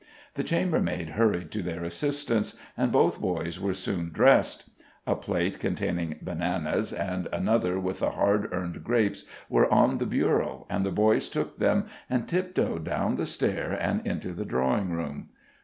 The chambermaid hurried to their assistance, and both boys were soon dressed. A plate containing bananas, and another with the hard earned grapes, were on the bureau, and the boys took them and tiptoed down the stair and into the drawing room.